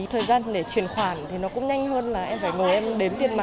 thời gian để chuyển khoản thì nó cũng nhanh hơn là em phải mời em đếm tiền mặt